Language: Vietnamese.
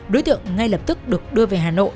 đối tượng ngay lập tức được đưa về hà nội